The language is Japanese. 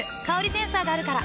センサーがあるから。